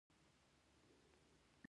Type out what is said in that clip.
هنر باید څنګه وپال ل شي؟